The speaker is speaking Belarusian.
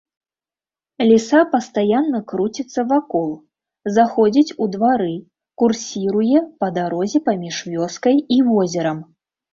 Ліса пастаянна круціцца вакол, заходзіць у двары, курсіруе па дарозе паміж вёскай і возерам.